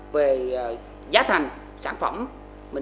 về giá thành sản phẩm